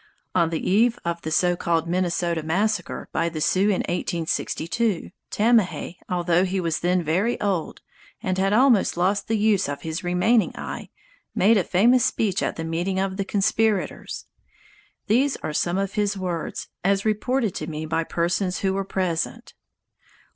On the eve of the so called "Minnesota Massacre" by the Sioux in 1862, Tamahay, although he was then very old and had almost lost the use of his remaining eye, made a famous speech at the meeting of the conspirators. These are some of his words, as reported to me by persons who were present.